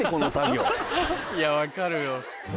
いや分かるよ。